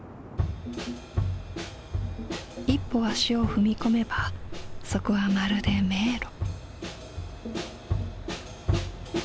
一歩足を踏み込めばそこはまるで迷路。